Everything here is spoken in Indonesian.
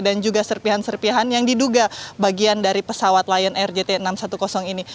dan juga serpihan serpihan yang diduga bagian dari pesawat lion air jt enam ratus sepuluh ini